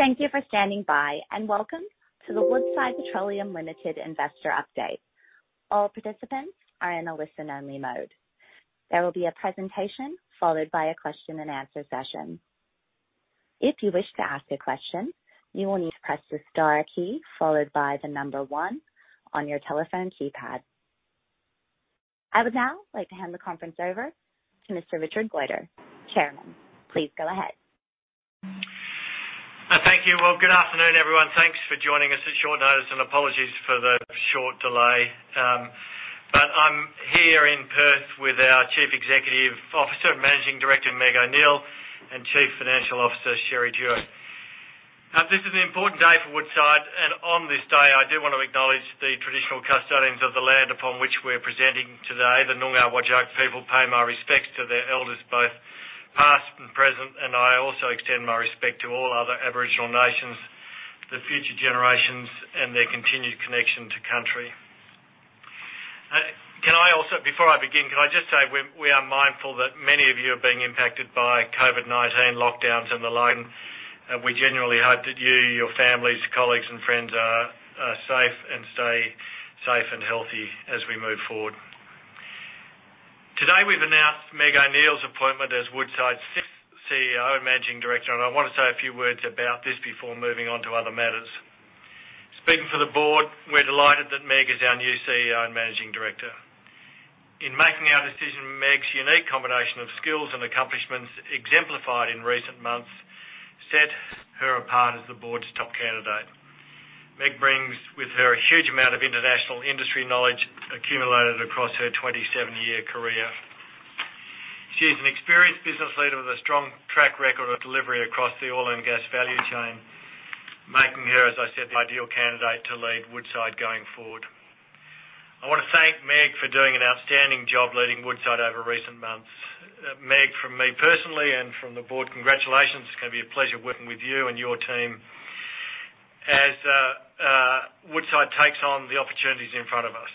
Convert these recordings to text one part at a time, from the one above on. Thank you for standing by, and welcome to the Woodside Petroleum Limited investor update. All participants are in a listen-only mode. There will be a presentation followed by a question and answer session. If you wish to ask a question, you will need to press the star key followed by the number one on your telephone keypad. I would now like to hand the conference over to Mr. Richard Goyder, Chairman. Please go ahead. Thank you. Well, good afternoon, everyone. Thanks for joining us at short notice, and apologies for the short delay. I'm here in Perth with our Chief Executive Officer, Managing Director, Meg O'Neill, and Chief Financial Officer, Sherry Duhe. This is an important day for Woodside, and on this day, I do want to acknowledge the traditional custodians of the land upon which we're presenting today, the Noongar Whadjuk people. I pay my respects to their elders, both past and present, and I also extend my respect to all other Aboriginal nations, the future generations, and their continued connection to country. Before I begin, can I just say, we are mindful that many of you are being impacted by COVID-19 lockdowns and the like. We genuinely hope that you, your families, colleagues, and friends are safe and stay safe and healthy as we move forward. Today, we've announced Meg O'Neill's appointment as Woodside's sixth CEO and Managing Director, and I want to say a few words about this before moving on to other matters. Speaking for the Board, we're delighted that Meg is our new CEO and Managing Director. In making our decision, Meg's unique combination of skills and accomplishments exemplified in recent months set her apart as the Board's top candidate. Meg brings with her a huge amount of international industry knowledge accumulated across her 27-year career. She is an experienced business leader with a strong track record of delivery across the oil and gas value chain, making her, as I said, the ideal candidate to lead Woodside going forward. I want to thank Meg for doing an outstanding job leading Woodside over recent months. Meg, from me personally and from the Board, congratulations. It's going to be a pleasure working with you and your team as Woodside takes on the opportunities in front of us.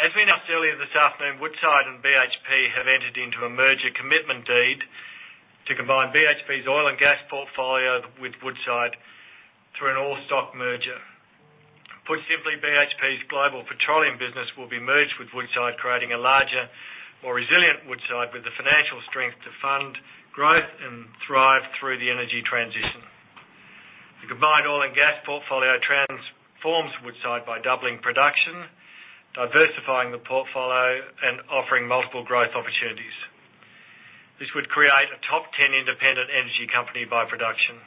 As we announced earlier this afternoon, Woodside and BHP have entered into a merger commitment deed to combine BHP's oil and gas portfolio with Woodside through an all-stock merger. Put simply, BHP's global petroleum business will be merged with Woodside, creating a larger, more resilient Woodside with the financial strength to fund growth and thrive through the energy transition. The combined oil and gas portfolio transforms Woodside by doubling production, diversifying the portfolio, and offering multiple growth opportunities. This would create a top 10 independent energy company by production.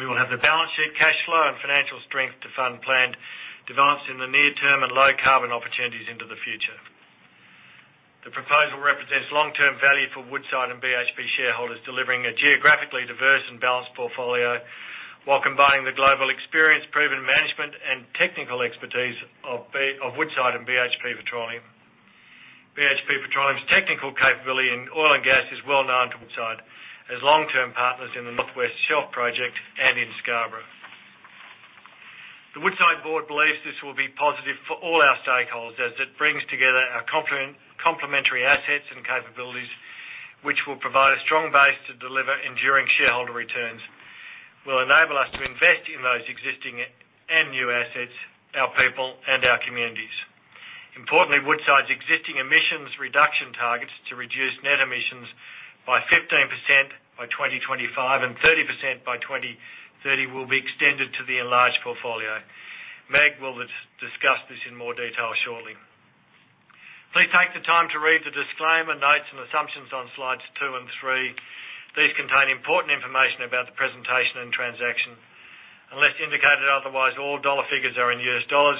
We will have the balance sheet cash flow and financial strength to fund planned developments in the near term and low-carbon opportunities into the future. The proposal represents long-term value for Woodside and BHP shareholders, delivering a geographically diverse and balanced portfolio while combining the global experience, proven management, and technical expertise of Woodside and BHP Petroleum. BHP Petroleum's technical capability in oil and gas is well known to Woodside as long-term partners in the North West Shelf project and in Scarborough. The Woodside board believes this will be positive for all our stakeholders as it brings together our complementary assets and capabilities, which will provide a strong base to deliver enduring shareholder returns, will enable us to invest in those existing and new assets, our people, and our communities. Importantly, Woodside's existing emissions reduction targets to reduce net emissions by 15% by 2025 and 30% by 2030 will be extended to the enlarged portfolio. Meg will discuss this in more detail shortly. Please take the time to read the disclaimer notes and assumptions on slides two and three. These contain important information about the presentation and transaction. Unless indicated otherwise, all dollar figures are in US dollars,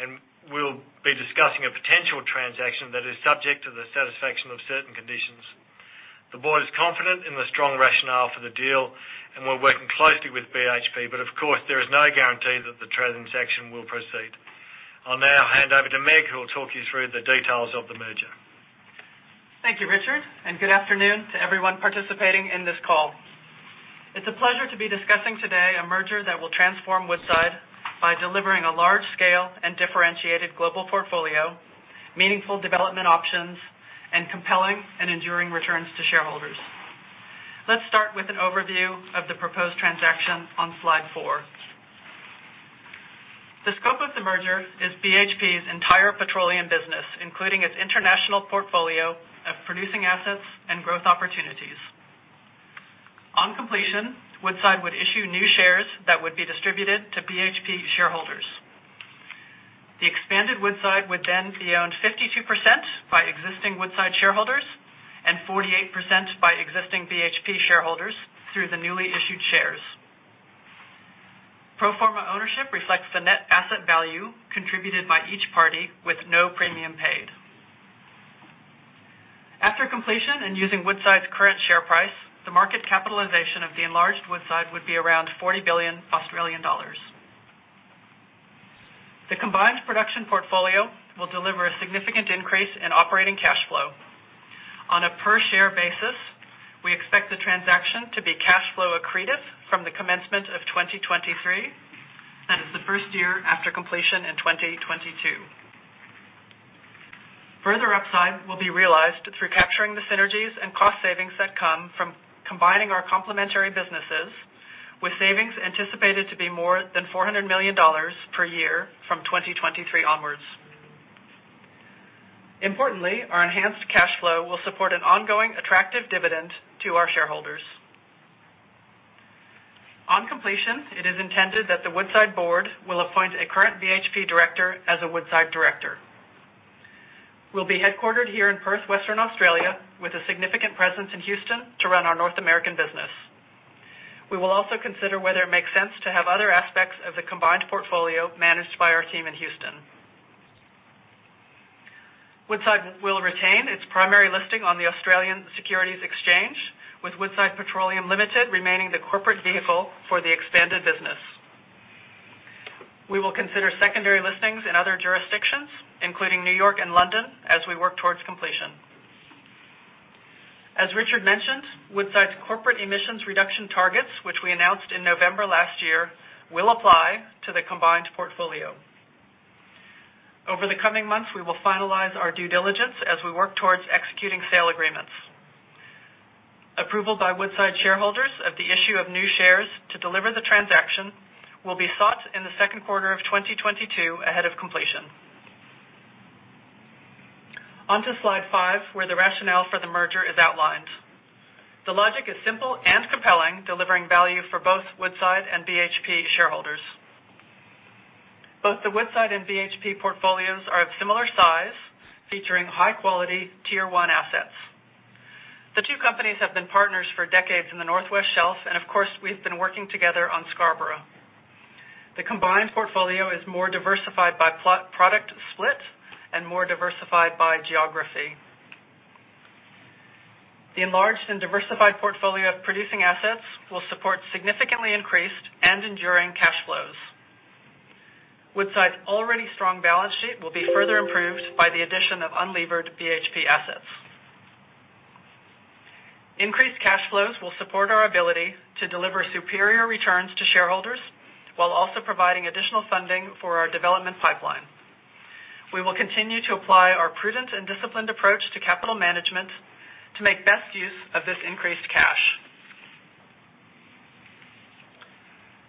and we'll be discussing a potential transaction that is subject to the satisfaction of certain conditions. The board is confident in the strong rationale for the deal, we're working closely with BHP. Of course, there is no guarantee that the transaction will proceed. I'll now hand over to Meg, who will talk you through the details of the merger. Thank you, Richard, and good afternoon to everyone participating in this call. It's a pleasure to be discussing today a merger that will transform Woodside by delivering a large-scale and differentiated global portfolio, meaningful development options, and compelling and enduring returns to shareholders. Let's start with an overview of the proposed transaction on slide four. The scope of the merger is BHP's entire petroleum business, including its international portfolio of producing assets and growth opportunities. On completion, Woodside would issue new shares that would be distributed to BHP shareholders. The expanded Woodside would then be owned 52% by existing Woodside shareholders and 48% by existing BHP shareholders through the newly issued shares. Pro forma ownership reflects the net asset value contributed by each party with no premium paid. After completion and using Woodside's current share price, the market capitalization of the enlarged Woodside would be around 40 billion Australian dollars. The combined production portfolio will deliver a significant increase in operating cash flow. On a per-share basis, we expect the transaction to be cash flow accretive from the commencement of 2023. That is the first year after completion in 2022. Further upside will be realized through capturing the synergies and cost savings that come from combining our complementary businesses, with savings anticipated to be more than $400 million per year from 2023 onwards. Importantly, our enhanced cash flow will support an ongoing attractive dividend to our shareholders. On completion, it is intended that the Woodside board will appoint a current BHP director as a Woodside director. We'll be headquartered here in Perth, Western Australia, with a significant presence in Houston to run our North American business. We will also consider whether it makes sense to have other aspects of the combined portfolio managed by our team in Houston. Woodside will retain its primary listing on the Australian Securities Exchange, with Woodside Petroleum Limited remaining the corporate vehicle for the expanded business. We will consider secondary listings in other jurisdictions, including New York and London, as we work towards completion. As Richard mentioned, Woodside's corporate emissions reduction targets, which we announced in November last year, will apply to the combined portfolio. Over the coming months, we will finalize our due diligence as we work towards executing sale agreements. Approval by Woodside shareholders of the issue of new shares to deliver the transaction will be sought in the second quarter of 2022 ahead of completion. Onto slide five, where the rationale for the merger is outlined. The logic is simple and compelling, delivering value for both Woodside and BHP shareholders. Both the Woodside and BHP portfolios are of similar size, featuring high-quality, tier one assets. The two companies have been partners for decades in the North West Shelf, and of course, we've been working together on Scarborough. The combined portfolio is more diversified by product split and more diversified by geography. The enlarged and diversified portfolio of producing assets will support significantly increased and enduring cash flows. Woodside's already strong balance sheet will be further improved by the addition of unlevered BHP assets. Increased cash flows will support our ability to deliver superior returns to shareholders, while also providing additional funding for our development pipeline. We will continue to apply our prudent and disciplined approach to capital management to make the best use of this increased cash.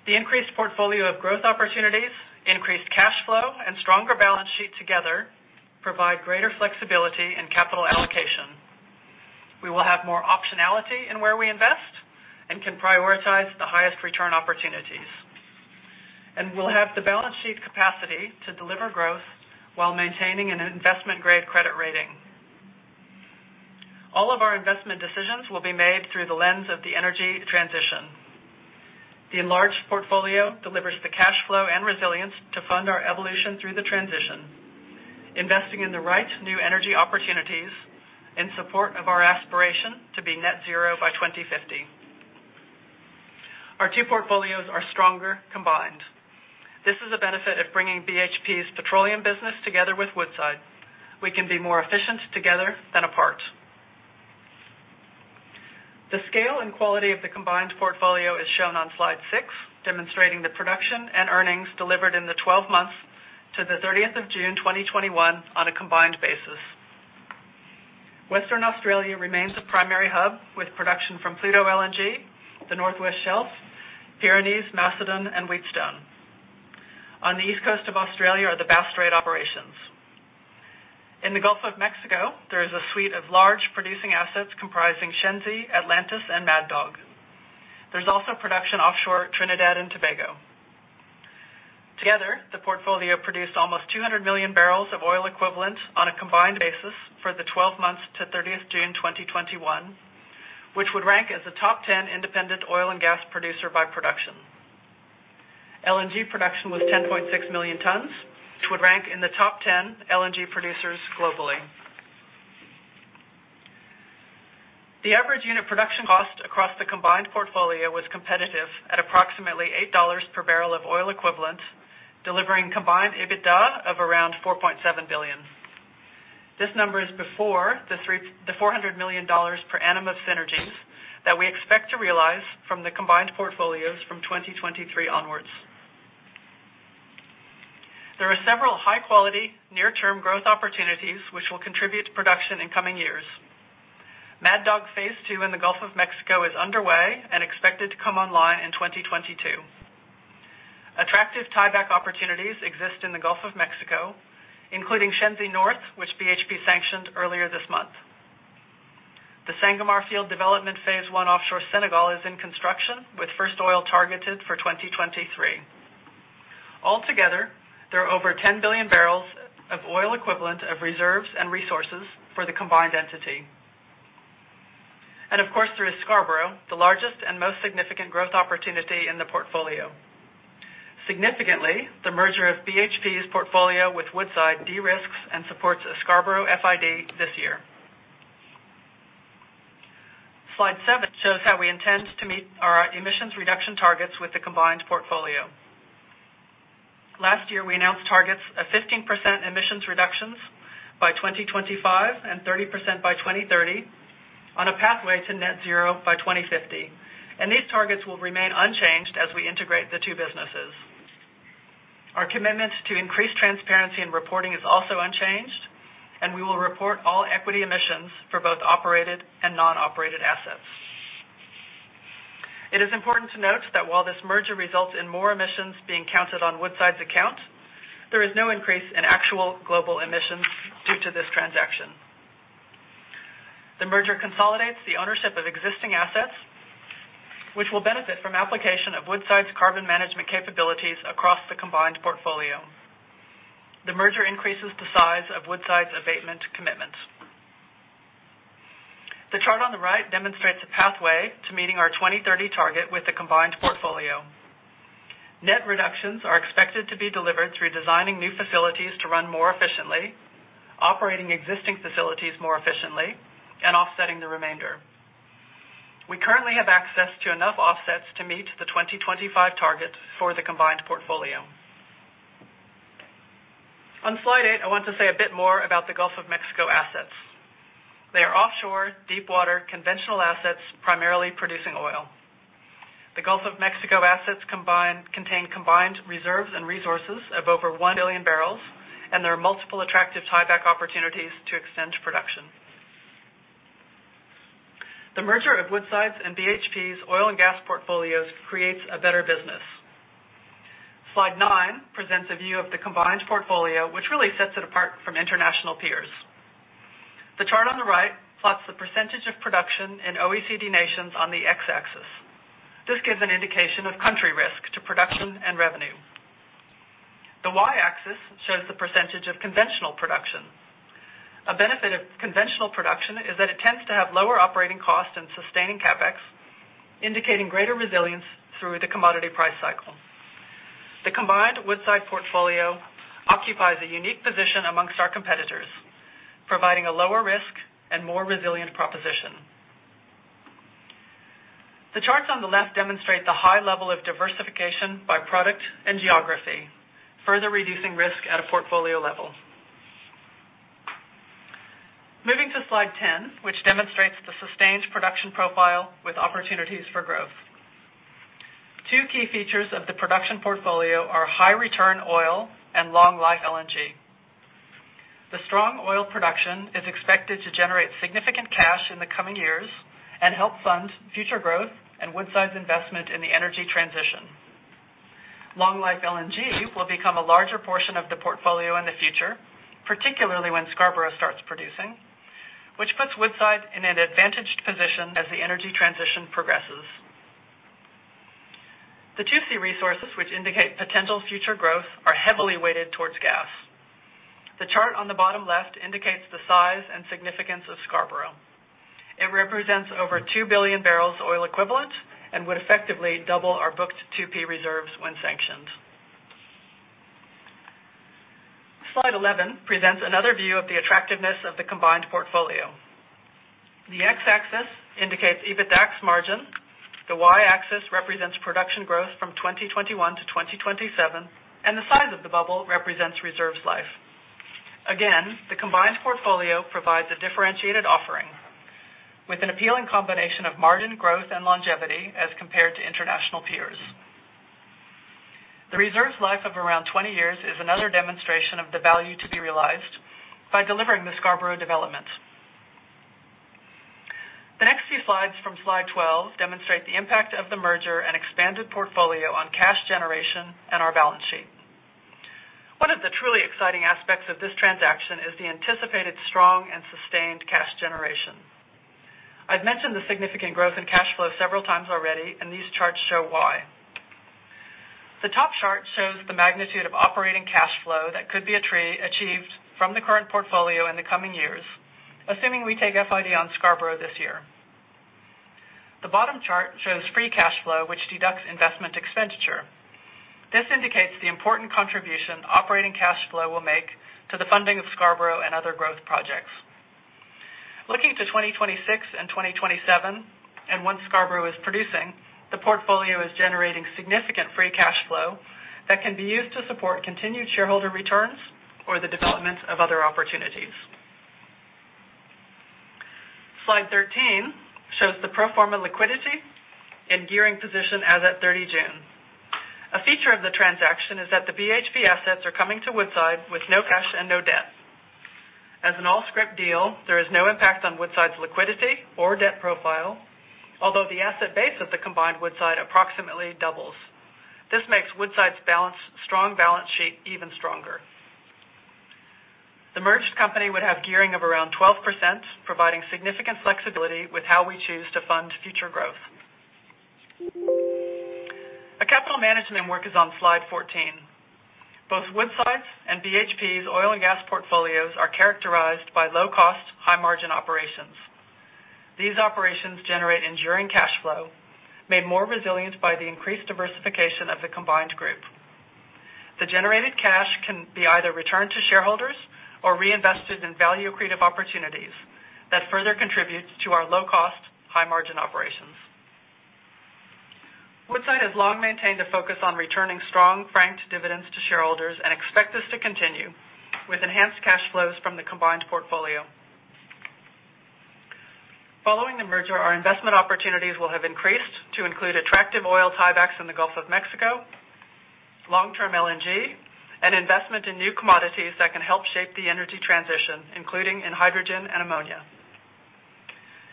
The increased portfolio of growth opportunities, increased cash flow, and stronger balance sheet together provide greater flexibility in capital allocation. We will have more optionality in where we invest and can prioritize the highest return opportunities. We'll have the balance sheet capacity to deliver growth while maintaining an investment-grade credit rating. All of our investment decisions will be made through the lens of the energy transition. The enlarged portfolio delivers the cash flow and resilience to fund our evolution through the transition, investing in the right new energy opportunities in support of our aspiration to be net zero by 2050. Our two portfolios are stronger combined. This is a benefit of bringing BHP's petroleum business together with Woodside. We can be more efficient together than apart. The scale and quality of the combined portfolio is shown on slide six, demonstrating the production and earnings delivered in the 12 months to the 30th of June 2021 on a combined basis. Western Australia remains the primary hub, with production from Pluto LNG, the North West Shelf, Pyrenees, Macedon, and Wheatstone. On the east coast of Australia are the Bass Strait operations. In the Gulf of Mexico, there is a suite of large producing assets comprising Shenzi, Atlantis, and Mad Dog. There's also production offshore Trinidad and Tobago. Together, the portfolio produced almost 200 million barrels of oil equivalent on a combined basis for the 12 months to 30th June 2021, which would rank as a top 10 independent oil and gas producer by production. LNG production was 10.6 million tons, which would rank in the top 10 LNG producers globally. The average unit production cost across the combined portfolio was competitive at approximately $8 per barrel of oil equivalent, delivering combined EBITDA of around $4.7 billion. This number is before the $400 million per annum of synergies that we expect to realize from the combined portfolios from 2023 onwards. There are several high-quality, near-term growth opportunities which will contribute to production in coming years. Mad Dog Phase II in the Gulf of Mexico is underway and expected to come online in 2022. Attractive tieback opportunities exist in the Gulf of Mexico, including Shenzi North, which BHP sanctioned earlier this month. The Sangomar Field Development Phase I offshore Senegal is in construction, with first oil targeted for 2023. Altogether, there are over 10 billion barrels of oil equivalent of reserves and resources for the combined entity. Of course, there is Scarborough, the largest and most significant growth opportunity in the portfolio. Significantly, the merger of BHP's portfolio with Woodside de-risks and supports a Scarborough FID this year. Slide seven shows how we intend to meet our emissions reduction targets with the combined portfolio. Last year, we announced targets of 15% emissions reductions by 2025 and 30% by 2030 on a pathway to net zero by 2050. These targets will remain unchanged as we integrate the two businesses. Our commitment to increased transparency in reporting is also unchanged, and we will report all equity emissions for both operated and non-operated assets. It is important to note that while this merger results in more emissions being counted on Woodside's account, there is no increase in actual global emissions due to this transaction. The merger consolidates the ownership of existing assets, which will benefit from application of Woodside's carbon management capabilities across the combined portfolio. The merger increases the size of Woodside's abatement commitments. The chart on the right demonstrates a pathway to meeting our 2030 target with the combined portfolio. Net reductions are expected to be delivered through designing new facilities to run more efficiently, operating existing facilities more efficiently, and offsetting the remainder. We currently have access to enough offsets to meet the 2025 targets for the combined portfolio. On slide eight, I want to say a bit more about the Gulf of Mexico assets. They are offshore deepwater conventional assets, primarily producing oil. The Gulf of Mexico assets contain combined reserves and resources of over 1 billion barrels, and there are multiple attractive tieback opportunities to extend production. The merger of Woodside's and BHP's oil and gas portfolios creates a better business. Slide nine presents a view of the combined portfolio, which really sets it apart from international peers. The chart on the right plots the percentage of production in OECD nations on the X-axis. This gives an indication of country risk to production and revenue. The Y-axis shows the percentage of conventional production. A benefit of conventional production is that it tends to have lower operating costs and sustaining CapEx, indicating greater resilience through the commodity price cycle. The combined Woodside portfolio occupies a unique position amongst our competitors, providing a lower risk and more resilient proposition. The charts on the left demonstrate the high level of diversification by product and geography, further reducing risk at a portfolio level. Moving to slide 10, which demonstrates the sustained production profile with opportunities for growth. Two key features of the production portfolio are high-return oil and long-life LNG. The strong oil production is expected to generate significant cash in the coming years and help fund future growth and Woodside's investment in the energy transition. Long-life LNG will become a larger portion of the portfolio in the future, particularly when Scarborough starts producing, which puts Woodside in an advantaged position as the energy transition progresses. The 2C resources, which indicate potential future growth, are heavily weighted towards gas. The chart on the bottom left indicates the size and significance of Scarborough. It represents over 2 billion barrels oil equivalent and would effectively double our booked 2P reserves when sanctioned. Slide 11 presents another view of the attractiveness of the combined portfolio. The X-axis indicates EBITDAX margin. The Y-axis represents production growth from 2021 to 2027, and the size of the bubble represents reserves life. Again, the combined portfolio provides a differentiated offering with an appealing combination of margin growth and longevity as compared to international peers. The reserves life of around 20 years is another demonstration of the value to be realized by delivering the Scarborough development. The next few slides from slide 12 demonstrate the impact of the merger and expanded portfolio on cash generation and our balance sheet. One of the truly exciting aspects of this transaction is the anticipated strong and sustained cash generation. I've mentioned the significant growth in cash flow several times already. These charts show why. The top chart shows the magnitude of operating cash flow that could be achieved from the current portfolio in the coming years, assuming we take FID on Scarborough this year. The bottom chart shows free cash flow, which deducts investment expenditure. This indicates the important contribution operating cash flow will make to the funding of Scarborough and other growth projects. Looking to 2026 and 2027, and once Scarborough is producing, the portfolio is generating significant free cash flow that can be used to support continued shareholder returns or the development of other opportunities. Slide 13 shows the pro forma liquidity and gearing position as at 30 June. A feature of the transaction is that the BHP assets are coming to Woodside with no cash and no debt. As an all-scrip deal, there is no impact on Woodside's liquidity or debt profile, although the asset base of the combined Woodside approximately doubles. This makes Woodside's strong balance sheet even stronger. The merged company would have gearing of around 12%, providing significant flexibility with how we choose to fund future growth. A capital management work is on slide 14. Both Woodside's and BHP's oil and gas portfolios are characterized by low cost, high margin operations. These operations generate enduring cash flow, made more resilient by the increased diversification of the combined group. The generated cash can be either returned to shareholders or reinvested in value accretive opportunities that further contribute to our low cost, high margin operations. Woodside has long maintained a focus on returning strong franked dividends to shareholders and expect this to continue with enhanced cash flows from the combined group. Our investment opportunities will have increased to include attractive oil tiebacks in the Gulf of Mexico, long-term LNG, and investment in new commodities that can help shape the energy transition, including in hydrogen and ammonia.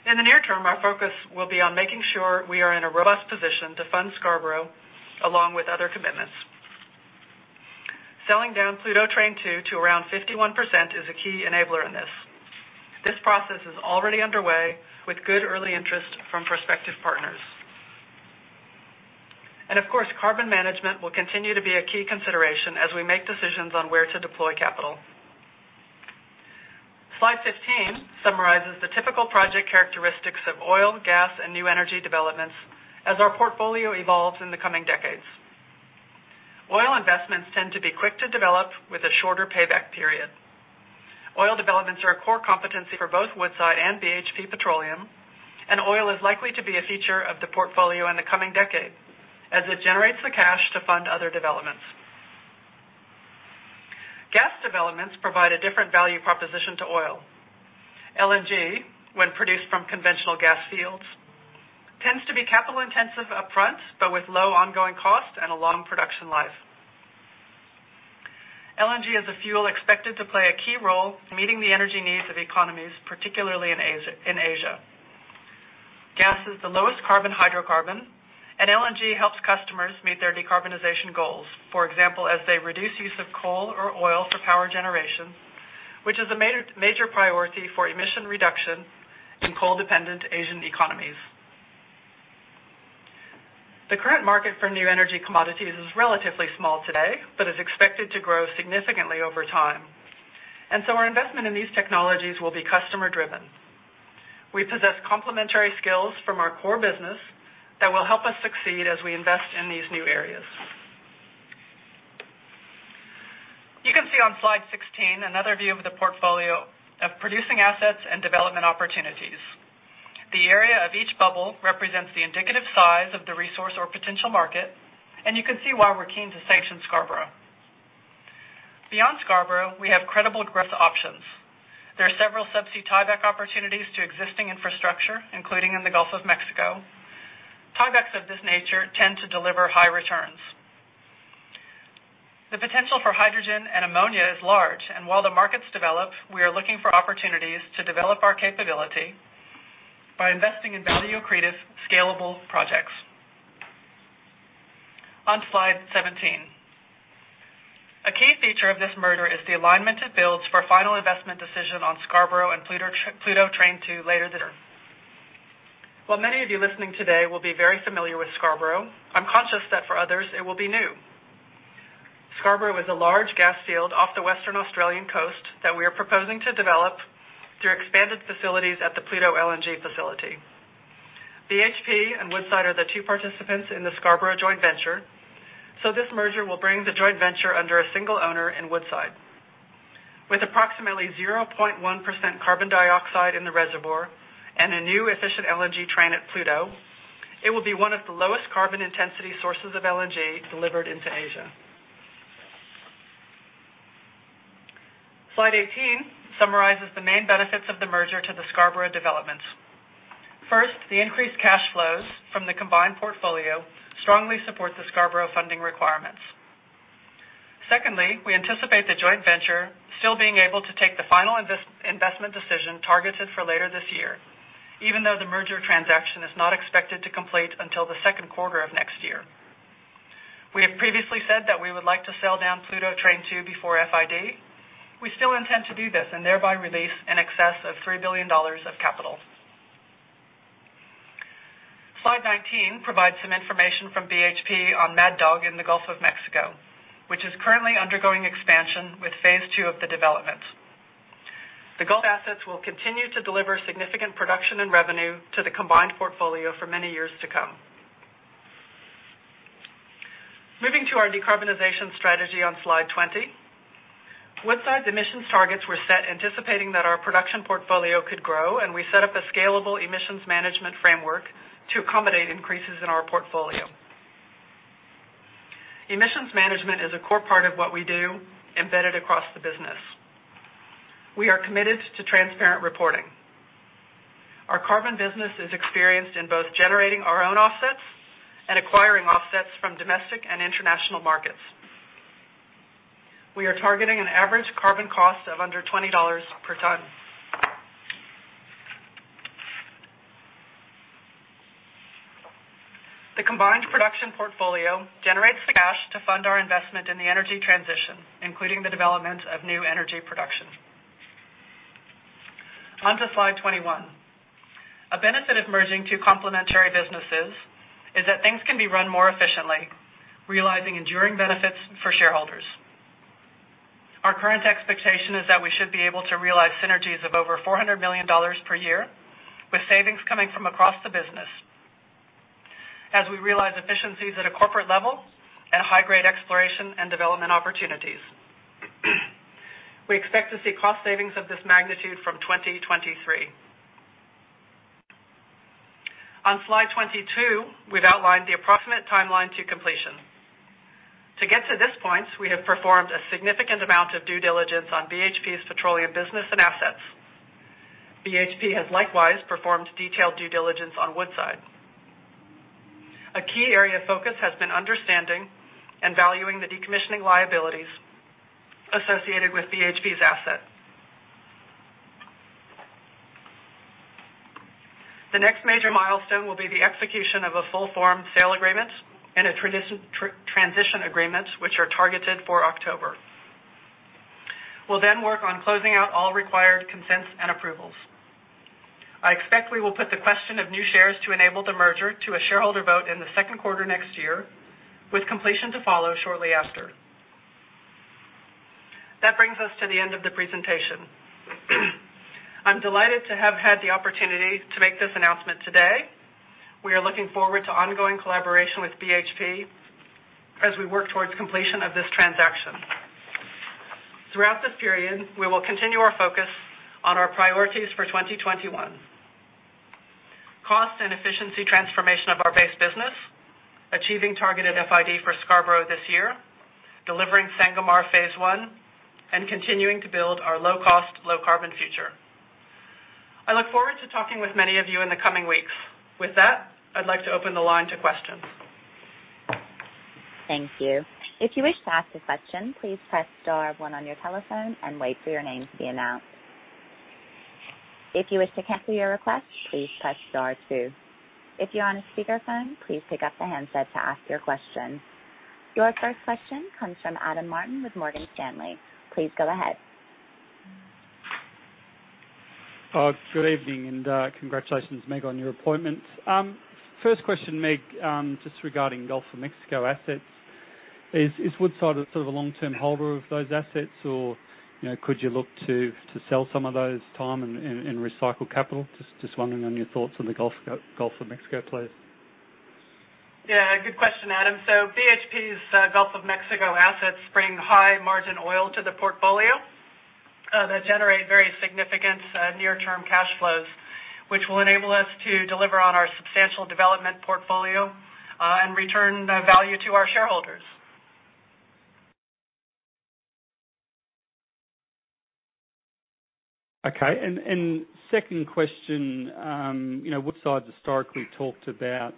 In the near term, our focus will be on making sure we are in a robust position to fund Scarborough along with other commitments. Selling down Pluto Train 2 to around 51% is a key enabler in this. This process is already underway with good early interest from prospective partners. Of course, carbon management will continue to be a key consideration as we make decisions on where to deploy capital. Slide 15 summarizes the typical project characteristics of oil, gas, and new energy developments as our portfolio evolves in the coming decades. Oil investments tend to be quick to develop with a shorter payback period. Oil developments are a core competency for both Woodside and BHP Petroleum, and oil is likely to be a feature of the portfolio in the coming decade as it generates the cash to fund other developments. Gas developments provide a different value proposition to oil. LNG, when produced from conventional gas fields, tends to be capital-intensive upfront, but with low ongoing costs and a long production life. LNG is a fuel expected to play a key role in meeting the energy needs of economies, particularly in Asia. Gas is the lowest carbon hydrocarbon, and LNG helps customers meet their decarbonization goals. For example, as they reduce use of coal or oil for power generation, which is a major priority for emission reduction in coal-dependent Asian economies. The current market for new energy commodities is relatively small today, but is expected to grow significantly over time, and so our investment in these technologies will be customer-driven. We possess complementary skills from our core business that will help us succeed as we invest in these new areas. You can see on Slide 16 another view of the portfolio of producing assets and development opportunities. The area of each bubble represents the indicative size of the resource or potential market, and you can see why we are keen to sanction Scarborough. Beyond Scarborough, we have credible growth options. There are several subsea tieback opportunities to existing infrastructure, including in the Gulf of Mexico. Tiebacks of this nature tend to deliver high returns. The potential for hydrogen and ammonia is large, and while the markets develop, we are looking for opportunities to develop our capability by investing in value-accretive, scalable projects. On Slide 17. A key feature of this merger is the alignment it builds for final investment decision on Scarborough and Pluto Train 2 later this year. While many of you listening today will be very familiar with Scarborough, I'm conscious that for others, it will be new. Scarborough is a large gas field off the Western Australian coast that we are proposing to develop through expanded facilities at the Pluto LNG facility. BHP and Woodside are the two participants in the Scarborough joint venture. This merger will bring the joint venture under a single owner in Woodside. With approximately 0.1% carbon dioxide in the reservoir and a new efficient LNG train at Pluto, it will be one of the lowest carbon intensity sources of LNG delivered into Asia. Slide 18 summarizes the main benefits of the merger to the Scarborough developments. First, the increased cash flows from the combined portfolio strongly support the Scarborough funding requirements. Secondly, we anticipate the joint venture still being able to take the final investment decision targeted for later this year, even though the merger transaction is not expected to complete until the second quarter of next year. We have previously said that we would like to sell down Pluto Train 2 before FID. We still intend to do this and thereby release in excess of $3 billion of capital. Slide 19 provides some information from BHP on Mad Dog in the Gulf of Mexico, which is currently undergoing expansion with phase II of the development. The Gulf assets will continue to deliver significant production and revenue to the combined portfolio for many years to come. Moving to our decarbonization strategy on Slide 20. Woodside's emissions targets were set anticipating that our production portfolio could grow, and we set up a scalable emissions management framework to accommodate increases in our portfolio. Emissions management is a core part of what we do, embedded across the business. We are committed to transparent reporting. Our carbon business is experienced in both generating our own offsets and acquiring offsets from domestic and international markets. We are targeting an average carbon cost of under $20 per ton. The combined production portfolio generates the cash to fund our investment in the energy transition, including the development of new energy production. On to Slide 21. A benefit of merging two complementary businesses is that things can be run more efficiently, realizing enduring benefits for shareholders. Our current expectation is that we should be able to realize synergies of over $400 million per year, with savings coming from across the business as we realize efficiencies at a corporate level and high-grade exploration and development opportunities. We expect to see cost savings of this magnitude from 2023. On Slide 22, we've outlined the approximate timeline to completion. To get to this point, we have performed a significant amount of due diligence on BHP's petroleum business and assets. BHP has likewise performed detailed due diligence on Woodside. A key area of focus has been understanding and valuing the decommissioning liabilities associated with BHP's asset. The next major milestone will be the execution of a full-form sale agreement and a transition agreement, which are targeted for October. We'll then work on closing out all required consents and approvals. I expect we will put the question of new shares to enable the merger to a shareholder vote in the second quarter next year, with completion to follow shortly after. That brings us to the end of the presentation. I'm delighted to have had the opportunity to make this announcement today. We are looking forward to ongoing collaboration with BHP as we work towards completion of this transaction. Throughout this period, we will continue our focus on our priorities for 2021. Cost and efficiency transformation of our base business, achieving targeted FID for Scarborough this year, delivering Sangomar Phase I, and continuing to build our low-cost, low-carbon future. I look forward to talking with many of you in the coming weeks. With that, I'd like to open the line to questions. Thank you. If you wish to ask a question, please press star one on your telephone and wait for your name to be announced. If you wish to cancel your request, please press star two. If you're on a speakerphone, please pick up the handset to ask your question. Your first question comes from Adam Martin with Morgan Stanley. Please go ahead. Good evening. Congratulations, Meg, on your appointment. First question, Meg, just regarding Gulf of Mexico assets. Is Woodside a long-term holder of those assets, or could you look to sell some of those in time and recycle capital? Just wondering on your thoughts on the Gulf of Mexico, please. Yeah. Good question, Adam. BHP's Gulf of Mexico assets bring high-margin oil to the portfolio that generate very significant near-term cash flows, which will enable us to deliver on our substantial development portfolio, and return the value to our shareholders. Okay, second question. Woodside historically talked about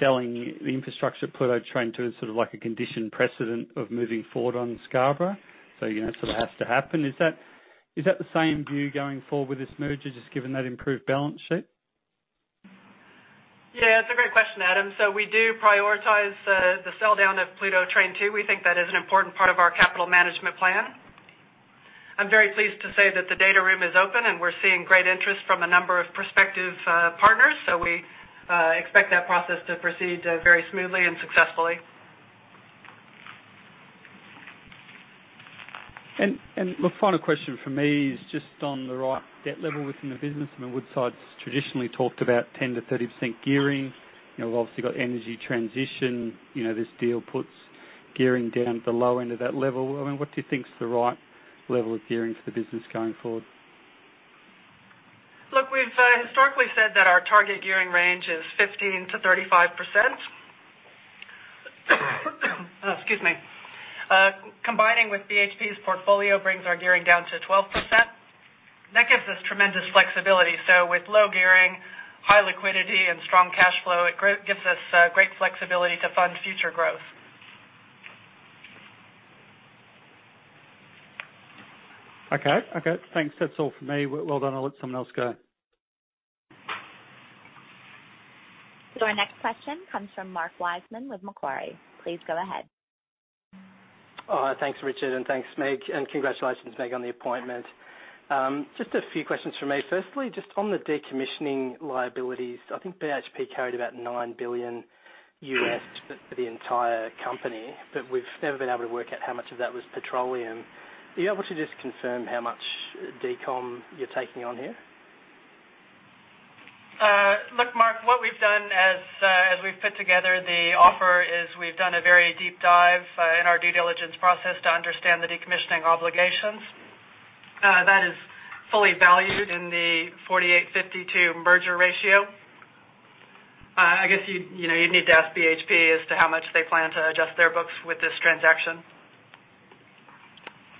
selling the infrastructure Pluto Train 2 as a condition precedent of moving forward on Scarborough. It has to happen. Is that the same view going forward with this merger, just given that improved balance sheet? Yeah, it's a great question, Adam. We do prioritize the sell-down of Pluto Train 2. We think that is an important part of our capital management plan. I'm very pleased to say that the data room is open, and we're seeing great interest from a number of prospective partners. We expect that process to proceed very smoothly and successfully. The final question from me is just on the right debt level within the business. I mean, Woodside's traditionally talked about 10%-30% gearing. We've obviously got energy transition. This deal puts gearing down at the low end of that level. I mean, what do you think is the right level of gearing for the business going forward? Look, we've historically said that our target gearing range is 15%-35%. Excuse me. Combining with BHP's portfolio brings our gearing down to 12%. That gives us tremendous flexibility. With low gearing, high liquidity, and strong cash flow, it gives us great flexibility to fund future growth. Okay. Thanks. That's all from me. Well done. I'll let someone else go. Our next question comes from Mark Wiseman with Macquarie. Please go ahead. Thanks, Richard, and thanks, Meg, and congratulations, Meg, on the appointment. Just a few questions from me. Firstly, just on the decommissioning liabilities, I think BHP carried about $9 billion for the entire company, but we've never been able to work out how much of that was petroleum. Are you able to just confirm how much decom you're taking on here? Look, Mark, what we've done as we've put together the offer is we've done a very deep dive in our due diligence process to understand the decommissioning obligations. That is fully valued in the 48.52 merger ratio. You'd need to ask BHP as to how much they plan to adjust their books with this transaction.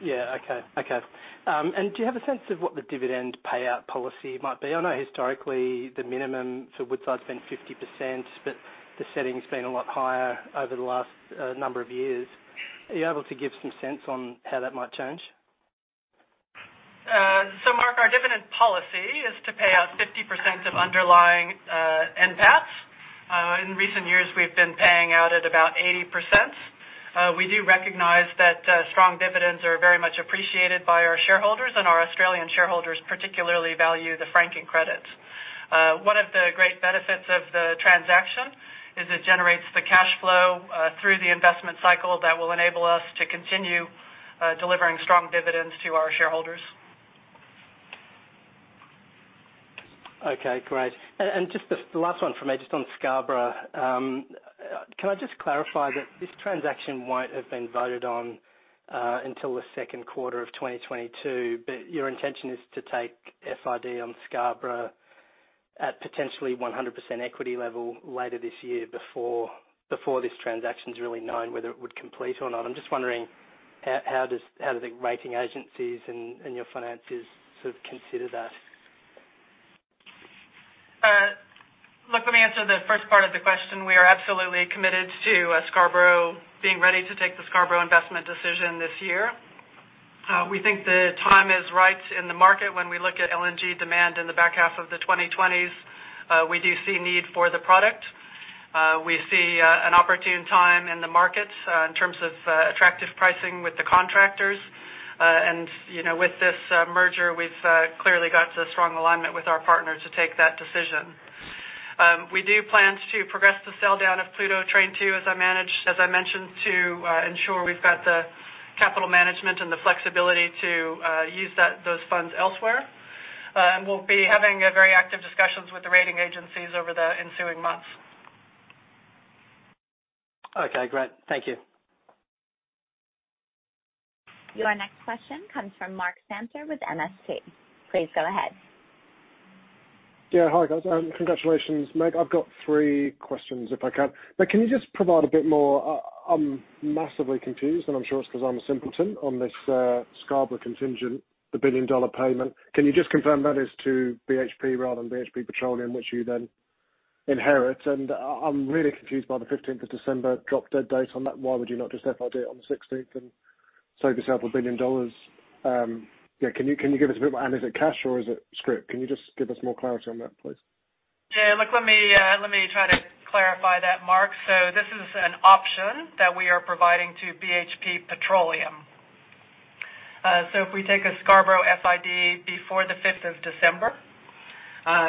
Yeah. Okay. Do you have a sense of what the dividend payout policy might be? I know historically the minimum for Woodside's been 50%, but the setting's been a lot higher over the last number of years. Are you able to give some sense on how that might change? Mark, our dividend policy is to pay out 50% of underlying NPATs. In recent years, we've been paying out at about 80%. We do recognize that strong dividends are very much appreciated by our shareholders, and our Australian shareholders particularly value the franking credits. One of the great benefits of the transaction is it generates the cash flow through the investment cycle that will enable us to continue delivering strong dividends to our shareholders. Okay. Great. Just the last one from me, just on Scarborough. Can I just clarify that this transaction won't have been voted on until the second quarter of 2022, but your intention is to take FID on Scarborough at potentially 100% equity level later this year before this transaction is really known, whether it would complete or not. I'm just wondering how do the rating agencies and your finances consider that? Look, let me answer the first part of the question. We are absolutely committed to being ready to take the Scarborough investment decision this year. We think the time is right in the market. When we look at LNG demand in the back half of the 2020s, we do see a need for the product. We see an opportune time in the market in terms of attractive pricing with the contractors. With this merger, we've clearly got a strong alignment with our partner to take that decision. We do plan to progress the sell-down of Pluto Train 2, as I mentioned, to ensure we've got the capital management and the flexibility to use those funds elsewhere. We'll be having very active discussions with the rating agencies over the ensuing months. Okay, great. Thank you. Your next question comes from Mark Samter with MST. Please go ahead. Hi, guys. Congratulations, Meg. I've got 3 questions, if I can. Meg, can you just provide a bit more. I'm massively confused, and I'm sure it's because I'm a simpleton, on this Scarborough contingent, the billion-dollar payment. Can you just confirm that is to BHP rather than BHP Petroleum, which you then inherit? I'm really confused by the 15th of December drop-dead date on that. Why would you not just FID it on the 16th and save yourself $1 billion? Can you give us a bit more? Is it cash or is it script? Can you just give us more clarity on that, please? Yeah, look, let me try to clarify that, Mark. This is an option that we are providing to BHP Petroleum. If we take a Scarborough FID before the 5th of December,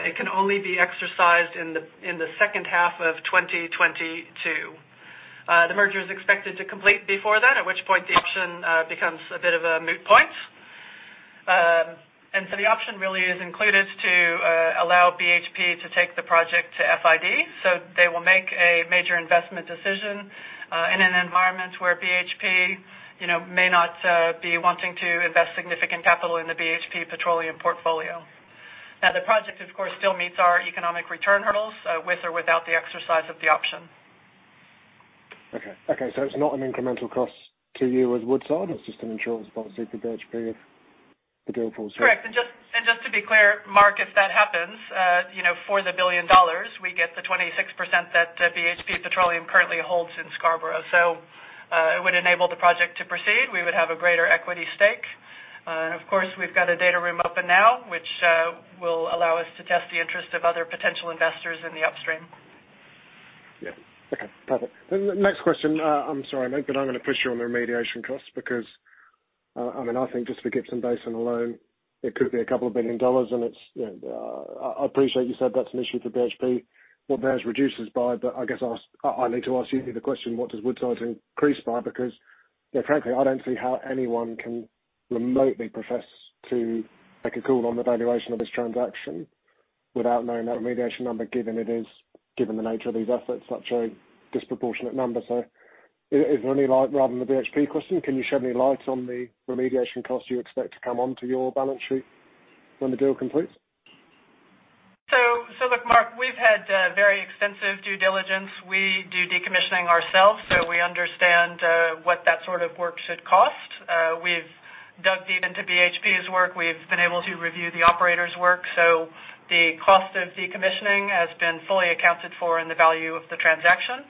it can only be exercised in the second half of 2022. The merger is expected to complete before that, at which point the option becomes a bit of a moot point. The option really is included to allow BHP to take the project to FID, so they will make a major investment decision in an environment where BHP may not be wanting to invest significant capital in the BHP Petroleum portfolio. Now, the project, of course, still meets our economic return hurdles with or without the exercise of the option. It's not an incremental cost to you as Woodside. It's just an insurance policy for BHP if the deal falls through. Correct. Just to be clear, Mark, if that happens, for the $1 billion, we get the 26% that BHP Petroleum currently holds in Scarborough. It would enable the project to proceed. We would have a greater equity stake. Of course, we've got a data room open now, which will allow us to test the interest of other potential investors in the upstream. Yeah. Okay, perfect. Next question. I'm sorry, Meg, I'm going to push you on the remediation costs because I think just for Gippsland Basin alone, it could be 2 billion dollars. I appreciate you said that's an issue for BHP, what theirs reduces by, but I need to ask you the question, what does Woodside increase by? Frankly, I don't see how anyone can remotely profess to make a call on the valuation of this transaction without knowing that remediation number, given the nature of these assets, such a disproportionate number. Rather than the BHP question, can you shed any light on the remediation cost you expect to come onto your balance sheet when the deal completes? Look, Mark, we've had very extensive due diligence. We do decommissioning ourselves, so we understand what that sort of work should cost. We've dug deep into BHP's work. We've been able to review the operator's work. The cost of decommissioning has been fully accounted for in the value of the transaction.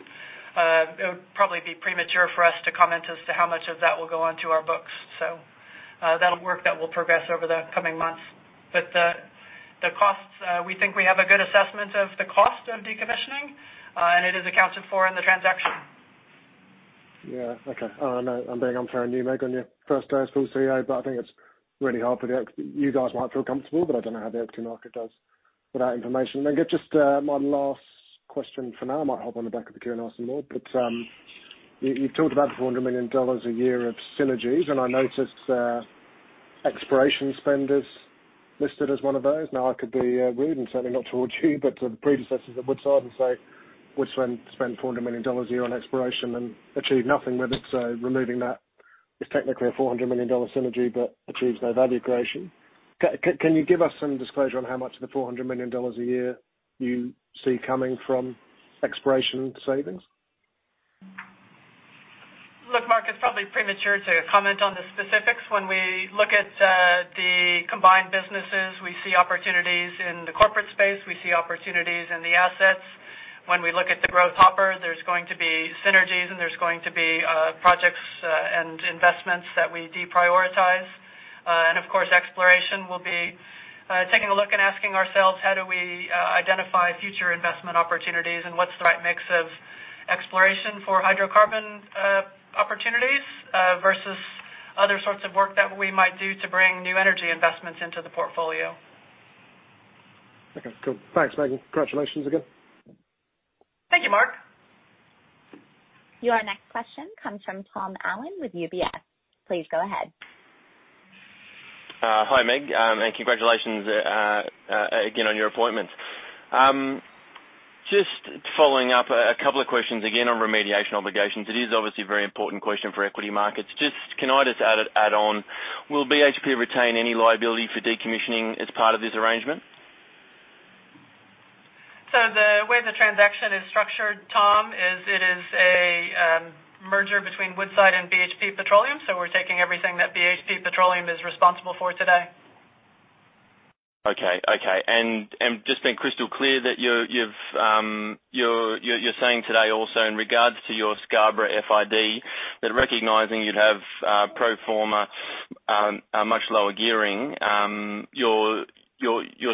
It would probably be premature for us to comment as to how much of that will go onto our books. That'll work that will progress over the coming months. The costs, we think we have a good assessment of the cost of decommissioning, and it is accounted for in the transaction. Yeah. Okay. I know I'm being unfair on you, Meg, on your first day as full CEO, but I think it's really hard. You guys might feel comfortable, but I don't know how the equity market does without information. Just my last question for now. I might hop on the back of the Q&A some more. You talked about $400 million a year of synergies, and I noticed exploration spend is listed as one of those. Now, I could be rude and certainly not towards you, but the predecessors at Woodside and say, "We're trying to spend $400 million a year on exploration and achieve nothing with it." Removing that is technically a $400 million synergy but achieves no value creation. Can you give us some disclosure on how much of the $400 million a year you see coming from exploration savings? Look, Mark, it's probably premature to comment on the specifics. When we look at the combined businesses, we see opportunities in the corporate space. We see opportunities in the assets. When we look at the growth hopper, there's going to be synergies, and there's going to be projects and investments that we deprioritize. Of course, exploration will be taking a look and asking ourselves, how do we identify future investment opportunities and what's the right mix of exploration for hydrocarbon opportunities versus other sorts of work that we might do to bring new energy investments into the portfolio? Okay, cool. Thanks, Meg. Congratulations again. Thank you, Mark. Your next question comes from Tom Allen with UBS. Please go ahead. Hi, Meg, and congratulations again on your appointment. Just following up a couple of questions again on remediation obligations. It is obviously a very important question for equity markets. Can I just add on, will BHP retain any liability for decommissioning as part of this arrangement? The way the transaction is structured, Tom, is it is a merger between Woodside and BHP Petroleum. We're taking everything that BHP Petroleum is responsible for today. Okay. Just being crystal clear, that you're saying today also in regards to your Scarborough FID, that recognizing you'd have pro forma a much lower gearing, you're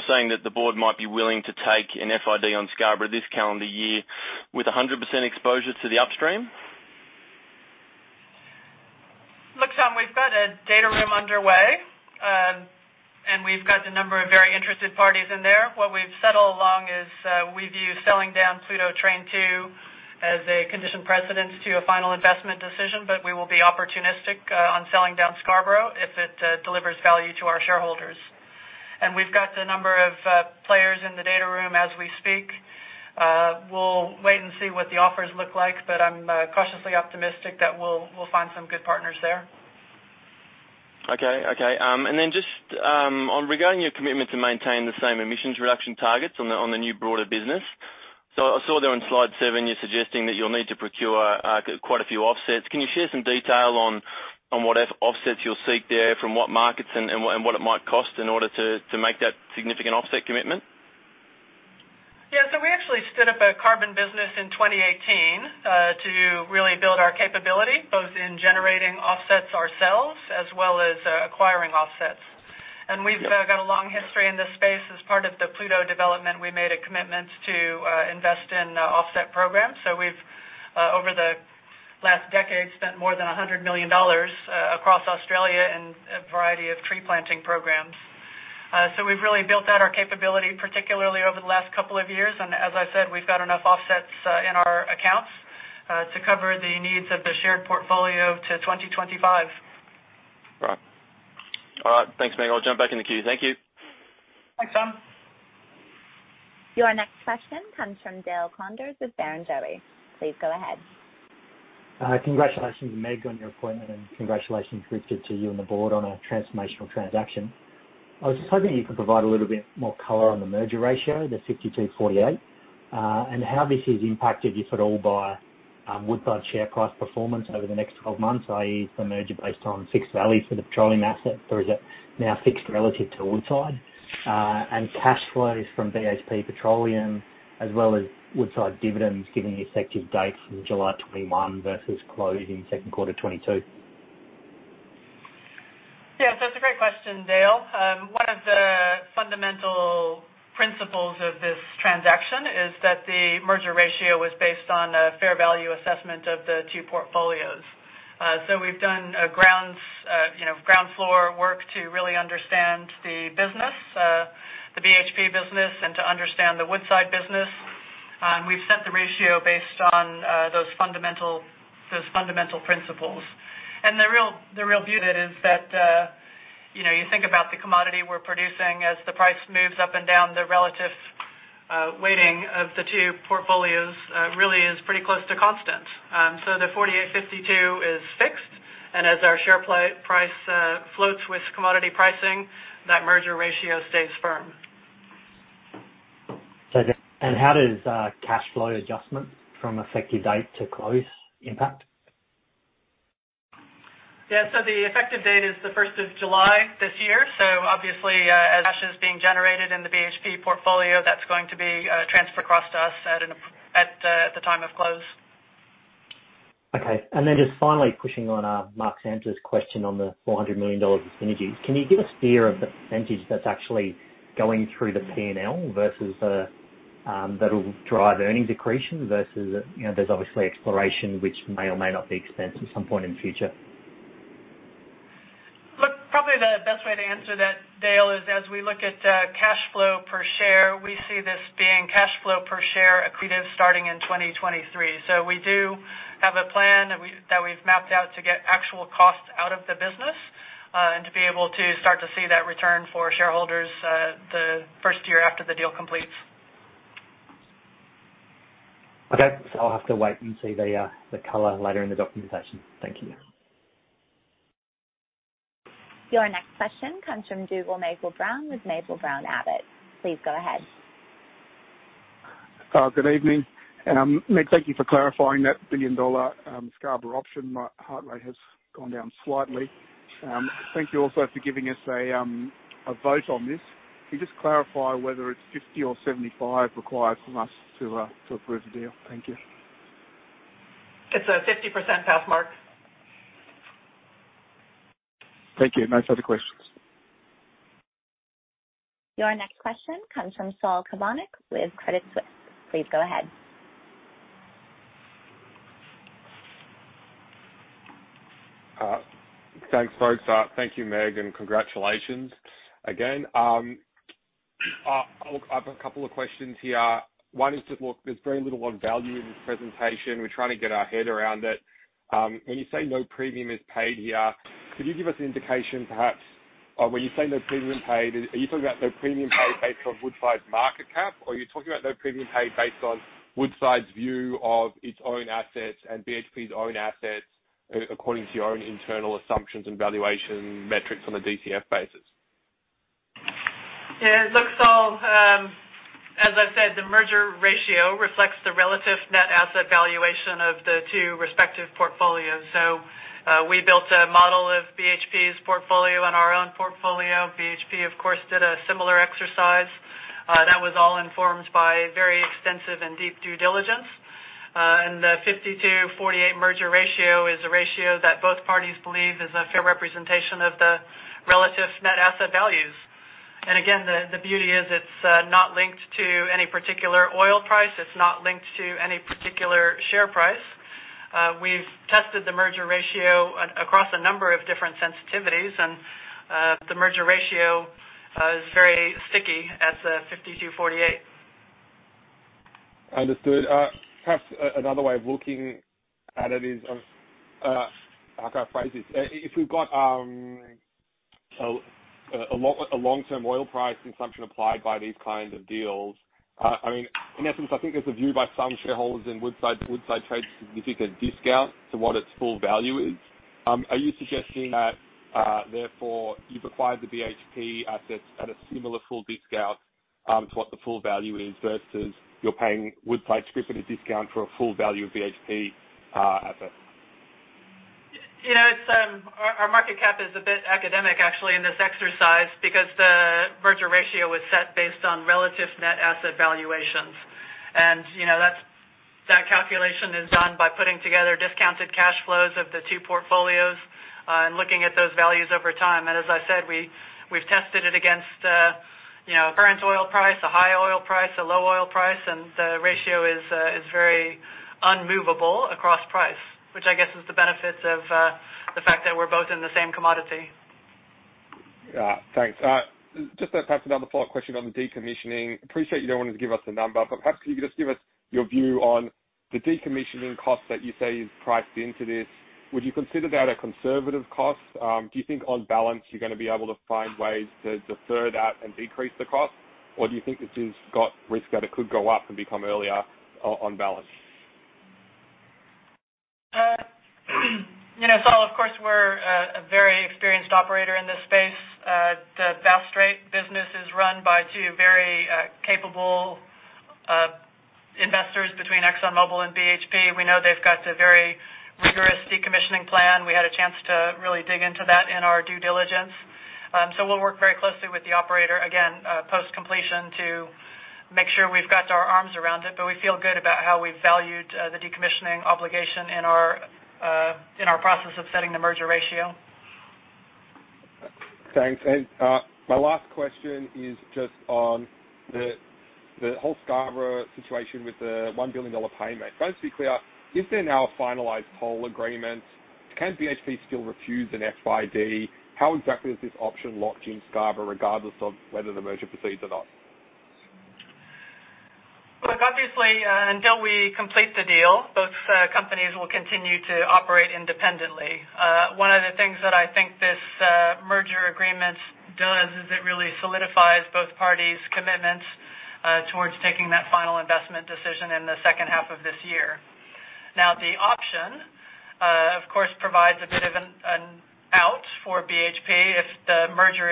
saying that the board might be willing to take an FID on Scarborough this calendar year with 100% exposure to the upstream? Look, Tom, we've got a data room underway. We've got a number of very interested parties in there. What we've said all along is, we view selling down Pluto Train 2 as a condition precedent to a final investment decision, but we will be opportunistic on selling down Scarborough if it delivers value to our shareholders. We've got the number of players in the data room as we speak. We'll wait and see what the offers look like, but I'm cautiously optimistic that we'll find some good partners there. Okay. Just regarding your commitment to maintain the same emissions reduction targets on the new broader business. I saw there on slide seven, you're suggesting that you'll need to procure quite a few offsets. Can you share some detail on what offsets you'll seek there, from what markets, and what it might cost in order to make that significant offset commitment? Yeah. We actually stood up a carbon business in 2018 to really build our capability, both in generating offsets ourselves as well as acquiring offsets. We've got a long history in this space. As part of the Pluto development, we made a commitment to invest in offset programs. We've over the last decade, spent more than $100 million across Australia in a variety of tree planting programs. We've really built out our capability, particularly over the last couple of years. As I said, we've got enough offsets in our accounts to cover the needs of the shared portfolio to 2025. Right. All right. Thanks, Meg. I'll jump back in the queue. Thank you. Thanks, Tom. Your next question comes from Dale Koenders with Barrenjoey. Please go ahead. Hi. Congratulations, Meg, on your appointment, and congratulations, Richard, to you and the board on a transformational transaction. I was just hoping you could provide a little bit more color on the merger ratio, the 52/48. How this is impacted, if at all, by Woodside share price performance over the next 12 months, i.e., is the merger based on fixed values for the petroleum asset? Is it now fixed relative to Woodside? Cash flows from BHP Petroleum as well as Woodside dividends giving effective dates from July 2021 versus close in second quarter 2022. It's a great question, Dale. One of the fundamental principles of this transaction is that the merger ratio was based on a fair value assessment of the two portfolios. We've done ground floor work to really understand the business, the BHP business, and to understand the Woodside business. We've set the ratio based on those fundamental principles. The real view of it is that, you think about the commodity we're producing, as the price moves up and down, the relative weighting of the two portfolios really is pretty close to constant. The 48/52 is fixed, and as our share price floats with commodity pricing, that merger ratio stays firm. How does cash flow adjustment from effective date to close impact? Yeah. The effective date is the 1st of July this year. Obviously, as cash is being generated in the BHP portfolio, that's going to be transferred across to us at the time of close. Okay. Just finally pushing on Mark Samter' question on the $400 million of synergies. Can you give us a steer of the percentage that's actually going through the P&L that'll drive earnings accretion versus, there's obviously exploration which may or may not be expense at some point in the future. Look, probably the best way to answer that, Dale, is as we look at cash flow per share, we see this being cash flow per share accretive starting in 2023. We do have a plan that we've mapped out to get actual costs out of the business, and to be able to start to see that return for shareholders the first year after the deal completes. Okay. I'll have to wait and see the color later in the documentation. Thank you. Your next question comes from Dougal Maple-Brown with Maple-Brown Abbott. Please go ahead. Good evening. Meg, thank you for clarifying that billion-dollar Scarborough option. My heart rate has gone down slightly. Thank you also for giving us a vote on this. Can you just clarify whether it's 50 or 75 required from us to approve the deal? Thank you. It's a 50% pass mark. Thank you. No further questions. Your next question comes from Saul Kavonic with Credit Suisse. Please go ahead. Thanks, folks. Thank you, Meg, and congratulations again. I've a couple of questions here. One is just, look, there's very little on value in this presentation. We're trying to get our head around it. When you say no premium paid, are you talking about no premium paid based on Woodside's market cap? Or are you talking about no premium paid based on Woodside's view of its own assets and BHP's own assets according to your own internal assumptions and valuation metrics on a DCF basis? Yeah. Look, Saul, as I said, the merger ratio reflects the relative net asset valuation of the two respective portfolios. We built a model of BHP's portfolio and our own portfolio. BHP, of course, did a similar exercise, that was all informed by very extensive and deep due diligence. The 52:48 merger ratio is a ratio that both parties believe is a fair representation of the relative net asset values. Again, the beauty is it's not linked to any particular oil price. It's not linked to any particular share price. We've tested the merger ratio across a number of different sensitivities, and the merger ratio is very sticky at 52:48. Understood. Perhaps another way of looking at it is How can I phrase this? If we've got a long-term oil price assumption applied by these kinds of deals, in essence, I think there's a view by some shareholders in Woodside trades at a significant discount to what its full value is. Are you suggesting that, therefore, you've acquired the BHP assets at a similar full discount to what the full value is versus you're paying Woodside scrip at a discount for a full value of BHP assets? Our market cap is a bit academic actually in this exercise because the merger ratio was set based on relative net asset valuations. That calculation is done by putting together discounted cash flows of the two portfolios, and looking at those values over time. As I said, we've tested it against current oil price, a high oil price, a low oil price, and the ratio is very unmovable across price, which I guess is the benefits of the fact that we're both in the same commodity. Yeah. Thanks. Just perhaps another follow-up question on the decommissioning. Appreciate you don't want to give us a number. Perhaps can you just give us your view on the decommissioning cost that you say is priced into this? Would you consider that a conservative cost? Do you think on balance, you're going to be able to find ways to defer that and decrease the cost? Do you think this has got risk that it could go up and become earlier on balance? Saul, of course, we're a very experienced operator in this space. The Bass Strait business is run by two very capable investors between ExxonMobil and BHP. We know they've got a very rigorous decommissioning plan. We had a chance to really dig into that in our due diligence. We'll work very closely with the operator again, post-completion to make sure we've got our arms around it, but we feel good about how we valued the decommissioning obligation in our process of setting the merger ratio. Thanks. My last question is just on the whole Scarborough situation with the $1 billion payment. Just to be clear, if they now finalize whole agreement, can BHP still refuse an FID? How exactly is this option locked in Scarborough regardless of whether the merger proceeds or not? Look, obviously, until we complete the deal, both companies will continue to operate independently. One of the things that I think this merger agreement does is it really solidifies both parties' commitments towards taking that final investment decision in the second half of this year. Now, the option, of course, provides a bit of an out for BHP if the merger